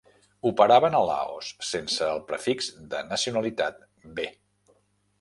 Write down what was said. Operaven a Laos sense el prefix de nacionalitat B-.